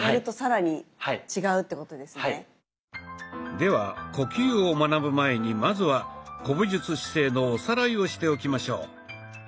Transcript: では呼吸を学ぶ前にまずは古武術姿勢のおさらいをしておきましょう。